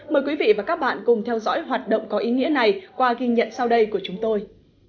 mời quý vị và các bạn cùng theo dõi hoạt động có ý nghĩa này qua ghi nhận sau đây của chúng tôi